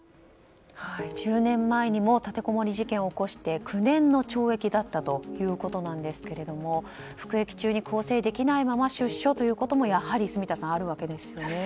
１０年前にも立てこもり事件を起こして９年の懲役だったということなんですが服役中に更生できないまま出所ということもやはり住田さん、あるわけですね。